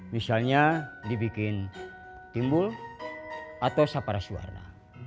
misalnya dibikin timbul atau saparas warna